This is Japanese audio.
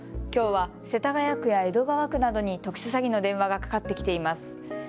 きょうは世田谷区や江戸川区などに特殊詐欺の電話がかかってきています。